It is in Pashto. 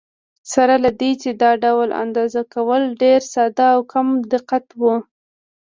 سره له دې چې دا ډول اندازه کول ډېر ساده او کم دقت و.